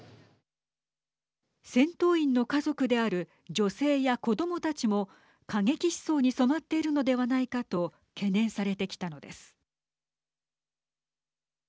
戦闘員の家族である女性や子どもたちも過激思想に染まっているのではないかと懸念されてきたのです。